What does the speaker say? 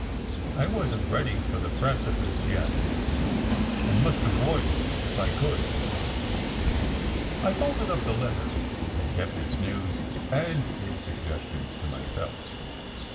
I wasn t ready for the precipice yet, and must avoid it if I could. I folded up the letter and kept its news and its sug 214 SECRET HISTORY gestions to myself.